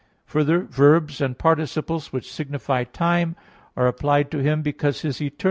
Further, verbs and participles which signify time, are applied to Him because His eternity includes all time.